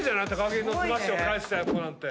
木のスマッシュを返した子なんて。